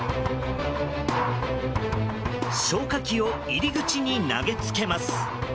消火器を入り口に投げつけます。